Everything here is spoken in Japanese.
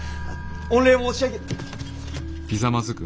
御礼申し上げ。